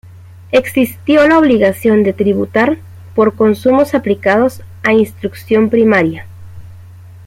Existió la obligación de tributar por consumos aplicados a instrucción primaria.